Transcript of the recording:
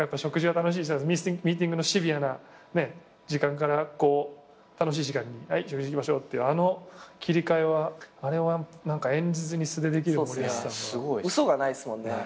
ミーティングのシビアな時間から楽しい時間に「はい食事行きましょう」ってあの切り替えはあれは演じずに素でできる森保さんは。嘘がないっすもんね